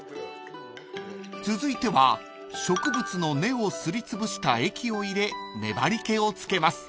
［続いては植物の根をすりつぶした液を入れ粘り気をつけます］